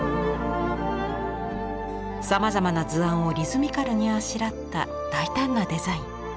さまざまな図案をリズミカルにあしらった大胆なデザイン。